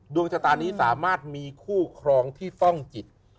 ดวงชะตานี้สามารถมีคู่ครองที่ต้องจิต